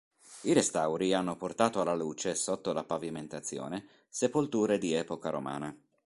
I restauri hanno portato alla luce, sotto la pavimentazione, sepolture di epoca romana.